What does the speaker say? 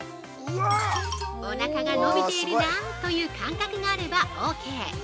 ◆お腹が伸びているなという感覚があればオーケー。